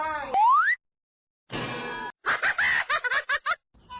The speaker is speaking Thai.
ก้นคันเนี่ย